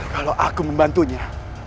kalau aku membantunya